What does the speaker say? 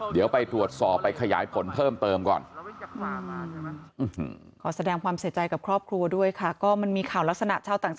เดี๋ยวไปตรวจสอบไปขยายผลเพิ่มเติมก่อน